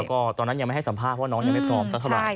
ก็ตอนนั้นยังไม่ให้สัมภาษณ์ว่าน้องยังไม่พร้อมสักเท่าไหร่